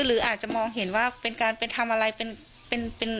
หรืออาจจะมองเห็นว่าเป็นการเป็นทำอะไรเป็นเป็นเป็น